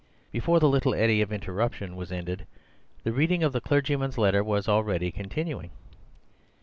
Before the little eddy of interruption was ended the reading of the clergyman's letter was already continuing.